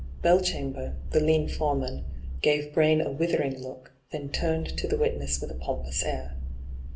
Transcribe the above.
Belchamber, the lean foreman, gave Braine a withering look, then turned to the witness with a pompous air.